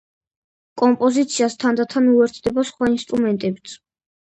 კომპოზიციას თანდათან უერთდება სხვა ინსტრუმენტებიც.